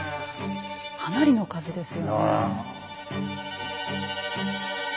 かなりの数ですよね。